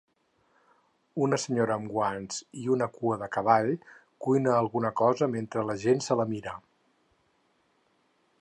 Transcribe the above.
Una senyora amb guants i una cua de cavall cuina alguna cosa mentre la gent se la mira.